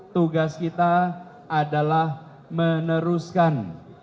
tugas kita adalah meneruskan